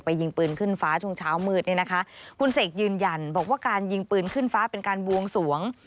ยิงปืนขึ้นฟ้าช่วงเช้ามืดเนี่ยนะคะคุณเสกยืนยันบอกว่าการยิงปืนขึ้นฟ้าเป็นการบวงสวง